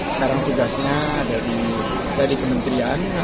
sekarang tugasnya ada di saya di kementerian